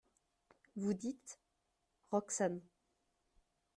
Vous dites ?… ROXANE.